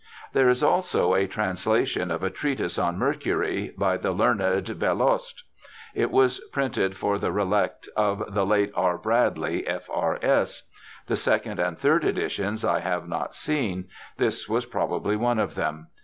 There is also a translation of a treatise on mercury ' by the learned Belloste'. It was printed for the relict of the late R. Bradley, F.R.S. The second and third editions I have not seen ; this was probably one of them.